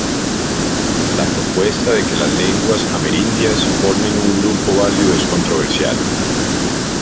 La propuesta de que las lenguas amerindias formen un grupo válido es controversial.